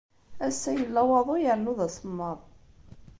Ass-a, yella waḍu yernu d asemmaḍ.